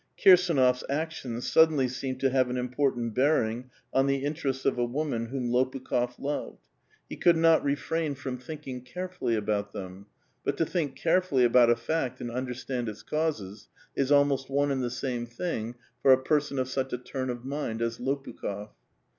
Kirsdnof's actions suddenly seem to have an important bearing on the interests of a woman whom Lopukh6f loved. He could not refrain from thinking 246 A VITAL QUESTION. carefully aboat them. But to think carefully about a fact and understand its causes is almost one and the same thing for a person of such a turn of mind as Lopukh6f. .